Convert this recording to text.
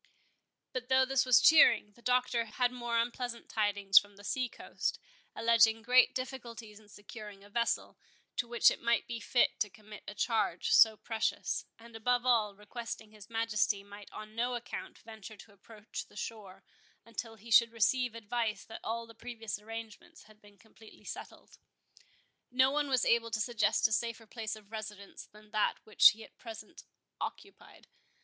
But though this was cheering, the Doctor had more unpleasant tidings from the sea coast, alleging great difficulties in securing a vessel, to which it might be fit to commit a charge so precious; and, above all, requesting his Majesty might on no account venture to approach the shore, until he should receive advice that all the previous arrangements had been completely settled. No one was able to suggest a safer place of residence than that which he at present occupied.